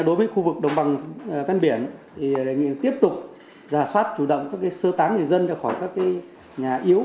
đối với khu vực đồng bằng phân biển thì đại nghị tiếp tục giả soát chủ động sơ tán dân ra khỏi các nhà yếu